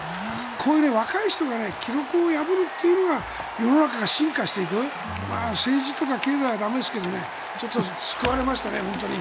こういう若い人が記録を破るというのが世の中が進化していく政治とか経済は駄目ですが救われましたね、本当に。